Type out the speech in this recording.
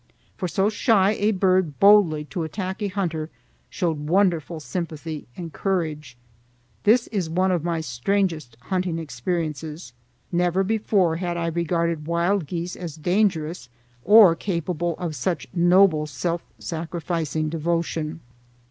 For so shy a bird boldly to attack a hunter showed wonderful sympathy and courage. This is one of my strangest hunting experiences. Never before had I regarded wild geese as dangerous, or capable of such noble self sacrificing devotion.